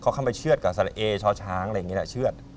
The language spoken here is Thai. เขาเข้าไปเชื่อดกับสละเอช่อช้างอะไรอย่างนี้แหละเชื่อด